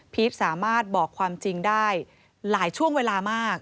สามารถบอกความจริงได้หลายช่วงเวลามาก